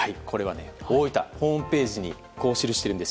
大分、ホームページにこう記しているんです。